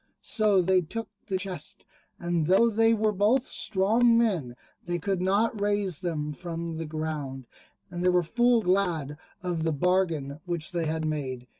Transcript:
So they took the chests, and though they were both strong men they could not raise them from the ground; and they were full glad of the bargain which they had made.